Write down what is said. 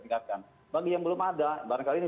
tingkatkan bagi yang belum ada barangkali ini